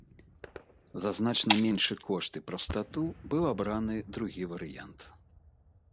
За значна меншы кошт і прастату быў абраны другі варыянт.